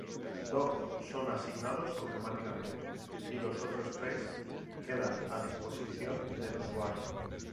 Dos son asignados automáticamente y los otros tres quedan a disposición del usuario.